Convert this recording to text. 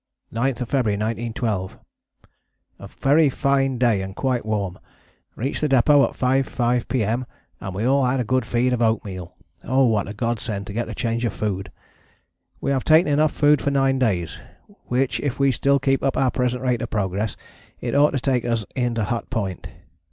9th February 1912. A very fine day and quite warm. Reached the depôt at 5.5 P.M. and we all had a good feed of oatmeal. Oh, what a God send to get a change of food! We have taken enough food for 9 days, which if we still keep up our present rate of progress it ought to take us in to Hut Point.